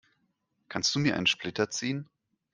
Kannst du mir einen Splitter ziehen?